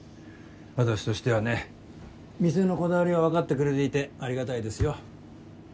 私としてはね店のこだわりを分かってくれていてありがたいですよ。